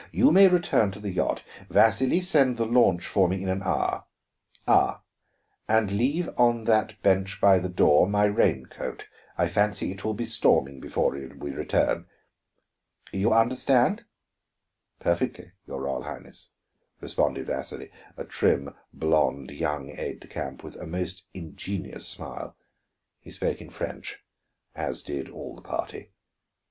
You may return to the yacht. Vasili, send the launch for me in an hour. Ah, and leave on that bench by the door my rain coat; I fancy it will be storming before we return. You understand?" "Perfectly, your Royal Highness," responded Vasili, a trim, blond young aide de camp with a most ingenuous smile. He spoke in French, as did all the party.